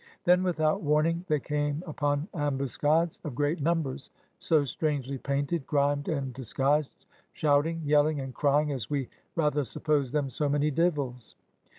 Then without warning they came upon ambuscades of great numbers ''so strangely painted, grimed and disguised, shout ing, yelling and crying, as we rather jsupposed them so many divils.''